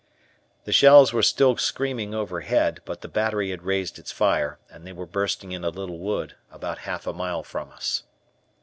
The shells were still screaming overhead, but the battery had raised its fire, and they were bursting in a little wood, about half a mile from us.